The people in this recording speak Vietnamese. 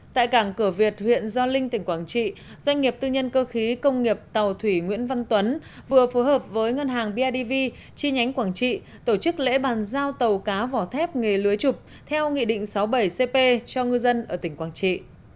tại cảng cửa việt huyện gio linh tỉnh quảng trị doanh nghiệp tư nhân cơ khí công nghiệp tàu thủy nguyễn văn tuấn vừa phối hợp với ngân hàng bidv chi nhánh quảng trị tổ chức lễ bàn giao tàu cá vỏ thép nghề lưới chụp theo nghị định sáu mươi bảy cp cho ngư dân ở tỉnh quảng trị